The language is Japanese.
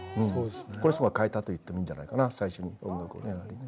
この人が変えたと言ってもいいんじゃないかな最新の音楽をねやはりね。